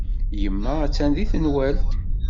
Yemma attan deg tenwalt.